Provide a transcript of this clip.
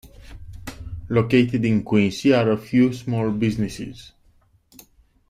Located in Quincy are a few small businesses.